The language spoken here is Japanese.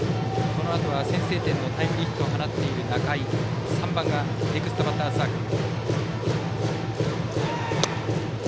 このあとは先制点のタイムリーヒットを放っている仲井、３番がネクストバッターズサークル。